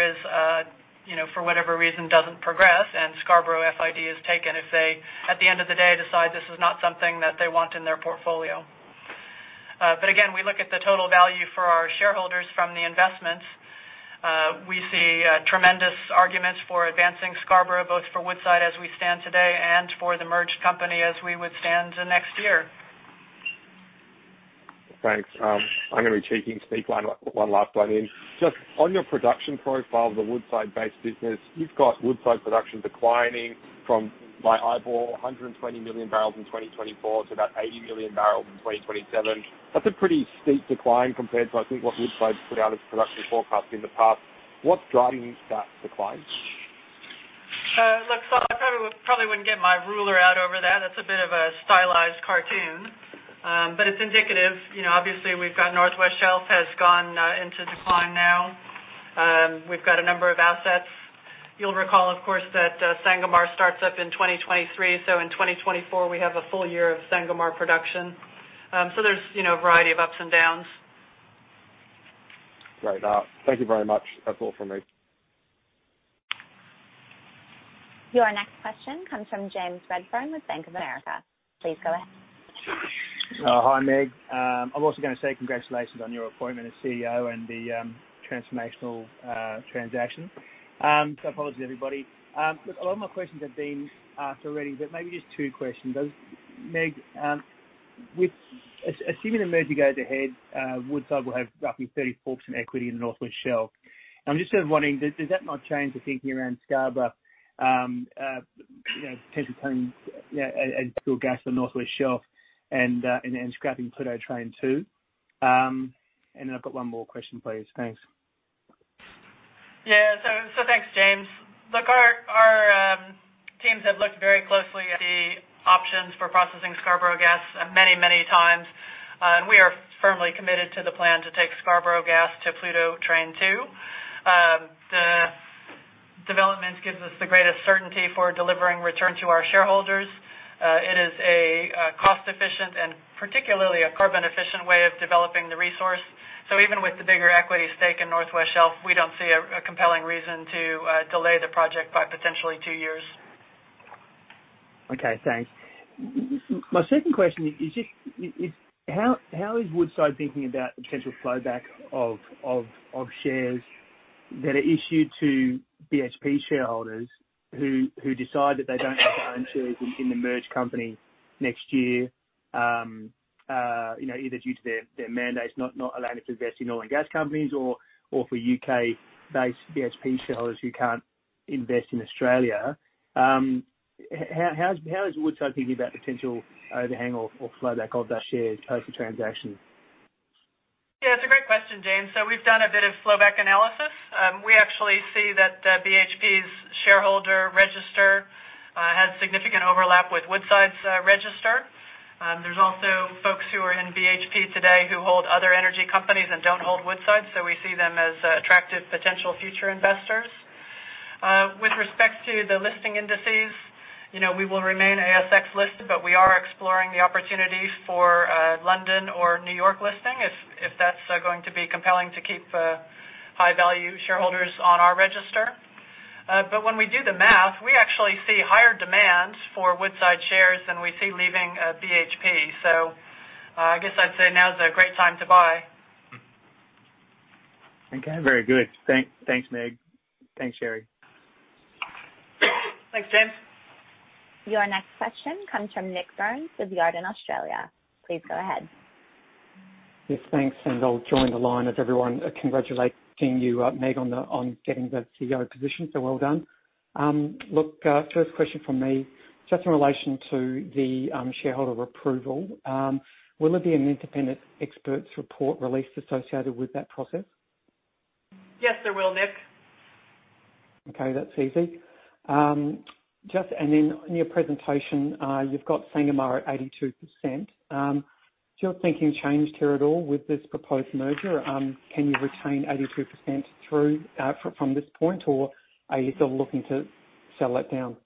for whatever reason doesn't progress and Scarborough FID is taken if they, at the end of the day, decide this is not something that they want in their portfolio. Again, we look at the total value for our shareholders from the investments. We see tremendous arguments for advancing Scarborough, both for Woodside as we stand today and for the merged company as we would stand next year. Thanks. I'm going to be cheeky and sneak one last one in. Just on your production profile of the Woodside-based business, you've got Woodside production declining from, by eyeball, 120 million barrels in 2024 to about 80 million barrels in 2027. That's a pretty steep decline compared to what Woodside's put out as production forecast in the past. What's driving that decline? Look, Saul, I probably wouldn't get my ruler out over that. It's a bit of a stylized cartoon. It's indicative. Obviously, we've got North West Shelf has gone into decline now. We've got a number of assets. You'll recall, of course, that Sangomar starts up in 2023. In 2024, we have a full year of Sangomar production. There's a variety of ups and downs. Great. Thank you very much. That's all from me. Your next question comes from James Redfern with Bank of America. Please go ahead. Hi, Meg. I'm also going to say congratulations on your appointment as CEO and the transformational transaction. Apologies, everybody. Look, a lot of my questions have been asked already. Maybe just two questions. Meg, assuming the merger goes ahead, Woodside will have roughly 34% equity in the North West Shelf. I'm just sort of wondering, does that not change the thinking around Scarborough potential tolling gas on North West Shelf and scrapping Pluto Train 2? I've got one more question, please. Thanks. For processing Scarborough gas many, many times. We are firmly committed to the plan to take Scarborough gas to Pluto Train 2. The development gives us the greatest certainty for delivering return to our shareholders. It is a cost-efficient and particularly a carbon-efficient way of developing the resource. Even with the bigger equity stake in North West Shelf, we don't see a compelling reason to delay the project by potentially two years. Okay, thanks. My second question is just, how is Woodside thinking about the potential flowback of shares that are issued to BHP shareholders, who decide that they don't want to own shares in the merged company next year, either due to their mandates not allowing to invest in oil and gas companies or for U.K.-based BHP shareholders who can't invest in Australia. How is Woodside thinking about potential overhang or flowback of that share post the transaction? It's a great question, James. We've done a bit of flowback analysis. We actually see that BHP's shareholder register has significant overlap with Woodside's register. There's also folks who are in BHP today who hold other energy companies and don't hold Woodside. We see them as attractive potential future investors. With respect to the listing indices, we will remain ASX listed, but we are exploring the opportunity for London or New York listing if that's going to be compelling to keep high-value shareholders on our register. When we do the math, we actually see higher demand for Woodside shares than we see leaving BHP. I'd say now's a great time to buy. Okay, very good. Thanks, Meg. Thanks, Sherry. Thanks, James. Your next question comes from Nik Burns with Jarden Australia. Please go ahead. Yes, thanks. I'll join the line of everyone congratulating you, Meg, on getting the CEO position, so well done. Look, first question from me. Just in relation to the shareholder approval. Will there be an independent expert's report released associated with that process? Yes, there will, Nik. Okay, that's easy. Then in your presentation, you've got Sangomar at 82%. Has your thinking changed here at all with this proposed merger? Can you retain 82% from this point, or are you still looking to sell that down?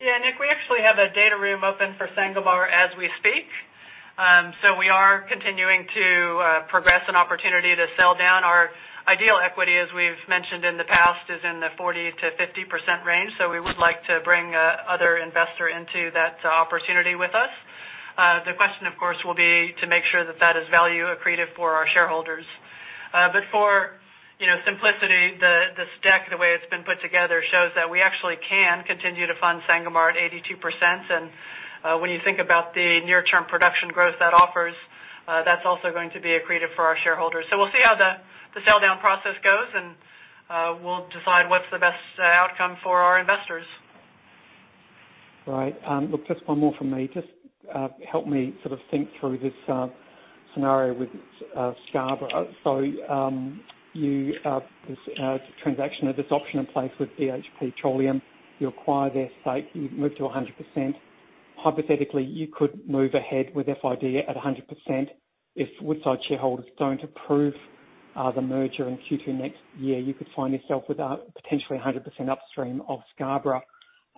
Yeah, Nik, we actually have a data room open for Sangomar as we speak. We are continuing to progress an opportunity to sell down. Our ideal equity, as we've mentioned in the past, is in the 40%-50% range. We would like to bring other investor into that opportunity with us. The question, of course, will be to make sure that that is value accretive for our shareholders. For simplicity, this deck, the way it's been put together, shows that we actually can continue to fund Sangomar at 82%, and when you think about the near-term production growth that offers, that's also going to be accretive for our shareholders. We'll see how the sell-down process goes, and we'll decide what's the best outcome for our investors. Right. Look, just one more from me. Just help me sort of think through this scenario with Scarborough. This transaction has this option in place with BHP Petroleum. You acquire their stake, you move to 100%. Hypothetically, you could move ahead with FID at 100%. If Woodside shareholders don't approve the merger in Q2 next year, you could find yourself with a potentially 100% upstream of Scarborough,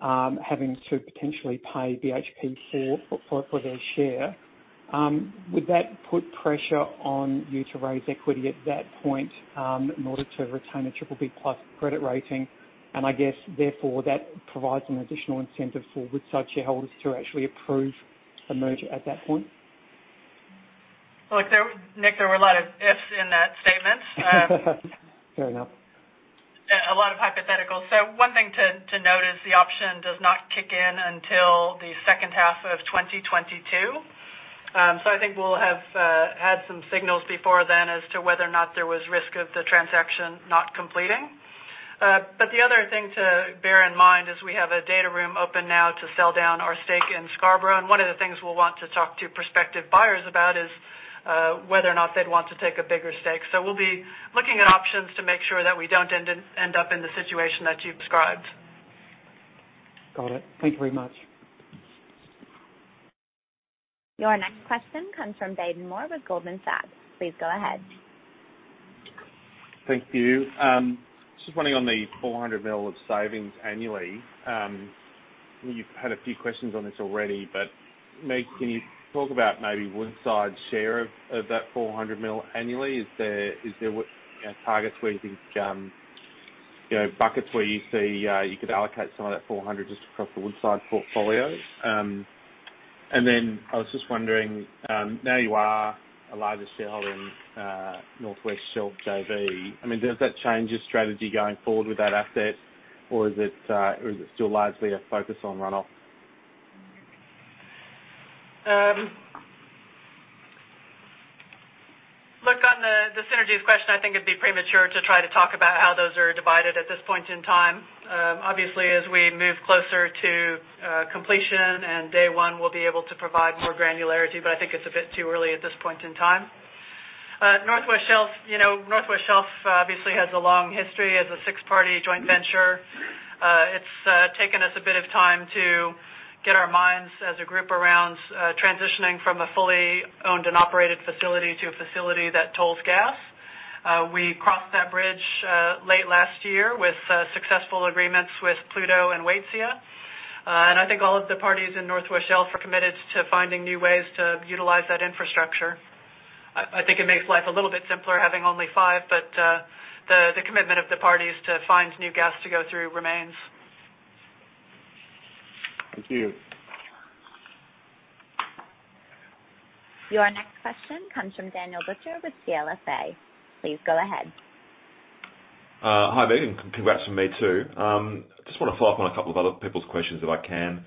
having to potentially pay BHP for their share. Would that put pressure on you to raise equity at that point in order to retain a BBB+ credit rating? I guess therefore, that provides an additional incentive for Woodside shareholders to actually approve the merger at that point? Look, Nik, there were a lot of ifs in that statement. Fair enough. A lot of hypotheticals. One thing to note is the option does not kick in until the second half of 2022. I think we'll have had some signals before then as to whether or not there was risk of the transaction not completing. The other thing to bear in mind is we have a data room open now to sell down our stake in Scarborough, and one of the things we'll want to talk to prospective buyers about is whether or not they'd want to take a bigger stake. We'll be looking at options to make sure that we don't end up in the situation that you've described. Got it. Thank Thank you very much. Your next question comes from Baden Moore with Goldman Sachs. Please go ahead. Thank you. Just wondering on the $400 million of savings annually. You've had a few questions on this already. Meg, can you talk about maybe Woodside's share of that $400 million annually? Is there targets where you think, buckets where you see you could allocate some of that $400 just across the Woodside portfolio? I was just wondering, now you are a larger shareholder in North West Shelf JV, does that change your strategy going forward with that asset, or is it still largely a focus on runoff? Look, on the synergies question, I think it'd be premature to try to talk about how those are divided at this point in time. Obviously, as we move closer to completion and day one, we'll be able to provide more granularity, but I think it's a bit too early at this point in time. North West Shelf obviously has a long history as a six-party joint venture. It's taken us a bit of time to get our minds as a group around transitioning from a fully owned and operated facility to a facility that tolls gas. We crossed that bridge late last year with successful agreements with Pluto and Waitsia. I think all of the parties in North West Shelf are committed to finding new ways to utilize that infrastructure. It makes life a little bit simpler having only five, but the commitment of the parties to find new gas to go through remains. Thank you. Your next question comes from Daniel Butcher with CLSA. Please go ahead. Hi, Megan. Congrats from me, too. Just want to follow up on a couple of other people's questions, if I can.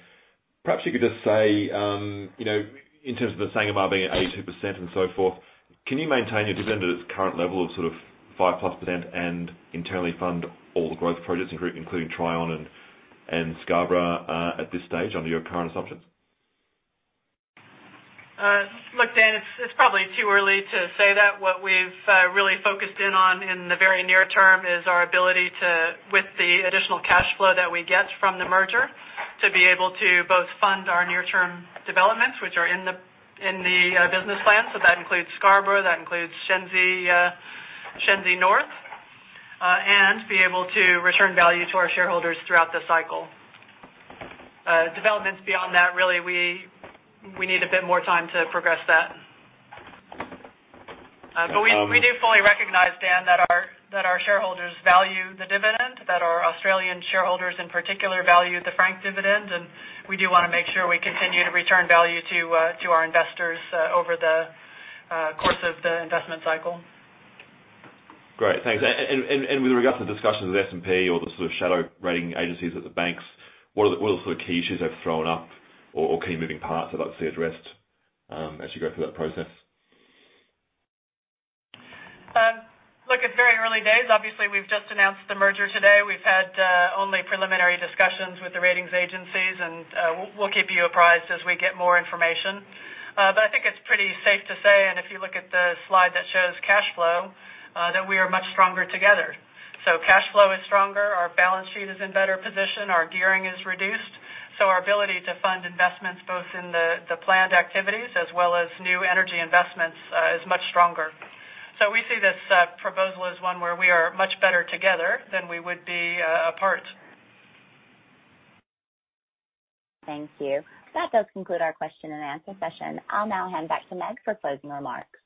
Perhaps you could just say, in terms of the Sangomar being at 82% and so forth, can you maintain your dividend at its current level of sort of 5%-plus and internally fund all the growth projects, including Trion and Scarborough at this stage under your current assumptions? Look, Dan, it's probably too early to say that. What we've really focused in on in the very near term is our ability to, with the additional cash flow that we get from the merger, to be able to both fund our near-term developments, which are in the business plan. That includes Scarborough, that includes Shenzi North, and be able to return value to our shareholders throughout the cycle. Developments beyond that, really, we need a bit more time to progress that. We do fully recognize, Dan, that our shareholders value the dividend, that our Australian shareholders in particular value the franked dividend, and we do want to make sure we continue to return value to our investors over the course of the investment cycle. Great. Thanks. With regard to the discussions with S&P or the sort of shadow rating agencies at the banks, what are the sort of key issues they've thrown up or key moving parts they'd like to see addressed as you go through that process? It's very early days. Obviously, we've just announced the merger today. We've had only preliminary discussions with the ratings agencies, and we'll keep you apprised as we get more information. I think it's pretty safe to say, and if you look at the slide that shows cash flow, that we are much stronger together. Cash flow is stronger. Our balance sheet is in better position. Our gearing is reduced. Our ability to fund investments both in the planned activities as well as new energy investments is much stronger. We see this proposal as one where we are much better together than we would be apart. Thank you. That does conclude our question-and-answer session. I'll now hand back to Meg for closing remarks.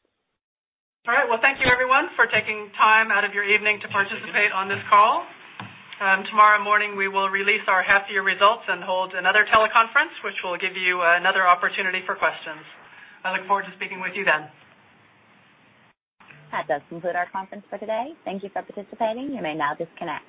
All right. Well, thank you everyone for taking time out of your evening to participate on this call. Tomorrow morning, we will release our half-year results and hold another teleconference, which will give you another opportunity for questions. I look forward to speaking with you then. That does conclude our conference for today. Thank you for participating. You may now disconnect.